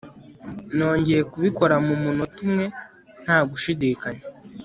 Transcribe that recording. nongeye kubikora mumunota umwe, ntagushidikanya